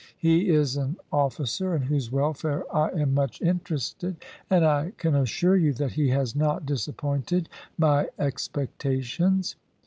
He is an officer in whose welfare I am much interested, and I can assure you that he has not disappointed my expectations."